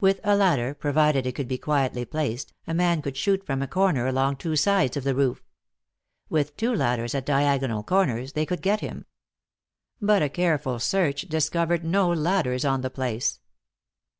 With a ladder, provided it could be quietly placed, a man could shoot from a corner along two sides of the roof. With two ladders, at diagonal corners, they could get him. But a careful search discovered no ladders on the place.